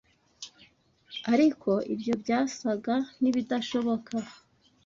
Ariko ibyo byasaga n’ibidashoboka